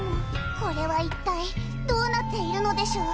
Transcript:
これは一体どうなっているのでしょう？